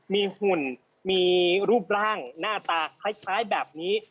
มีหุ่นมีรูปร่างหน้าตาคล้ายแบบนี้